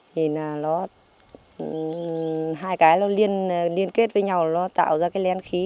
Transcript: hai cái liên kết với nhau tạo ra cái lén khí